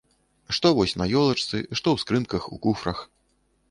Што вось на елачцы, што ў скрынках, у куфрах.